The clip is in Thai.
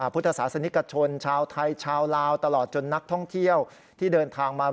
พุทธศาสนิกชนชาวไทยชาวลาวตลอดจนนักท่องเที่ยวที่เดินทางมา